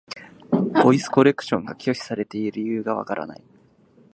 ボイスコレクションが拒否されている理由がわからない。